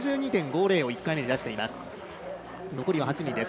８２．５０を１回目に出しています。